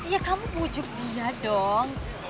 ya kamu pujuk dia dong